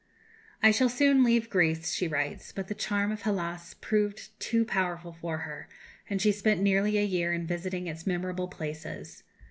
'" "I shall soon leave Greece," she writes; but the charm of Hellas proved too powerful for her, and she spent nearly a year in visiting its memorable places.